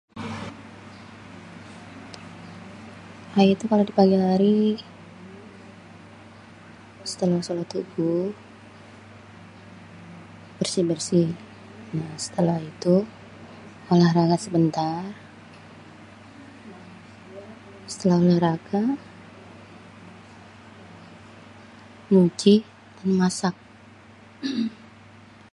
Aye tuh, kalo di pagi hari, setelah sholat Subuh bersih-bersih. Nah, setelah itu, olahraga sebentar. Setelah olahraga, nyuci dan masak.